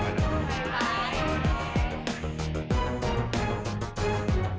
baik baik baik